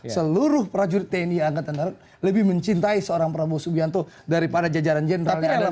seluruh prajurit tni angkatanar lebih mencintai seorang prabowo subianto daripada jajaran jenderal yang ada di kubu jokowi